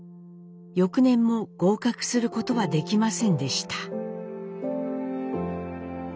翌年も合格することはできませんでした。